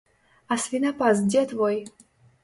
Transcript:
А свінапас дзе твой?